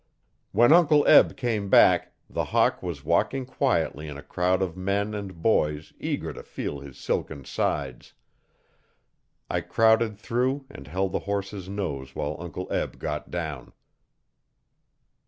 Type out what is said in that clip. When Uncle Eb came back the Hawk was walking quietly in a crowd of men and boys eager to feel his silken sides. I crowded through and held the horse's nose while Uncle Eb got down.